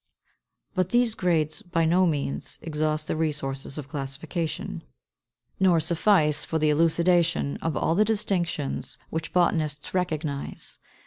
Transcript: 533. But these grades by no means exhaust the resources of classification, nor suffice for the elucidation of all the distinctions which botanists recognize.